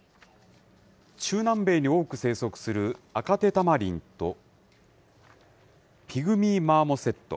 中南米に多く生息するアカテタマリンとピグミーマーモセット。